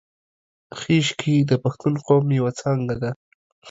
خیشکي د پښتون قوم یو څانګه ده